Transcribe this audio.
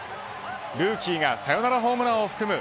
ルーキーがサヨナラホームランを含む